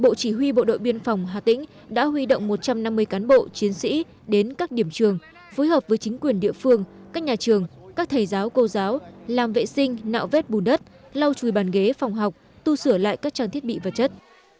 bộ chỉ huy bộ đội biên phòng hà tĩnh đã huy động một trăm năm mươi cán bộ chiến sĩ đến các điểm trường phối hợp với chính quyền địa phương các nhà trường các thầy giáo cô giáo làm vệ sinh nạo vét bùn đất lau chùi bàn ghế phòng học tu sửa lại các trang thiết bị vật chất